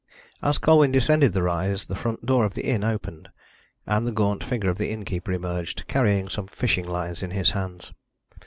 As Colwyn descended the rise the front door of the inn opened, and the gaunt figure of the innkeeper emerged, carrying some fishing lines in his hands.